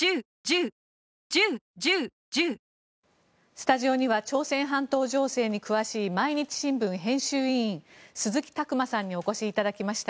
スタジオには朝鮮半島情勢に詳しい毎日新聞編集委員鈴木琢磨さんにお越しいただきました。